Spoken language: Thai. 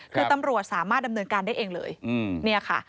คือตำรวจสามารถดำเนินการได้เองเลย